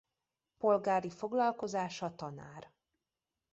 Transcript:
Polgári foglalkozása Tanár.